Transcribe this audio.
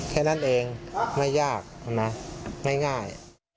แค่นั้นเองไม่ยากนะไม่ง่าย